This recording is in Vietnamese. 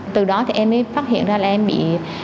từ đó thì em mới phát hiện ra là em bị